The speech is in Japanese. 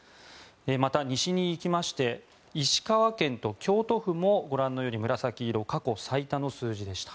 また、西に行きまして石川県と京都府もご覧のように紫色過去最多の数字でした。